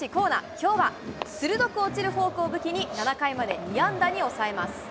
きょうは、鋭く落ちるフォークを武器に２安打に抑えます。